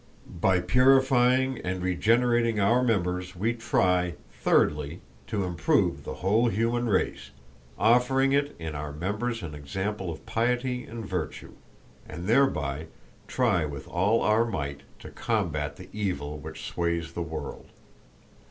"By purifying and regenerating our members we try, thirdly, to improve the whole human race, offering it in our members an example of piety and virtue, and thereby try with all our might to combat the evil which sways the world.